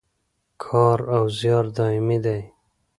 کار او زیار دایمي دی